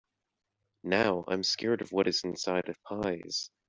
Now, I’m scared of what is inside of pies.